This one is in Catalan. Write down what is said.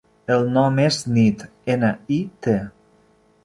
El nom és Nit: ena, i, te.